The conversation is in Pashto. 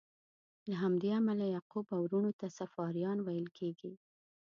له همدې امله یعقوب او وروڼو ته صفاریان ویل کیږي.